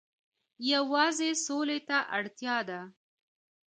یوازې سولې ته اړتیا ده.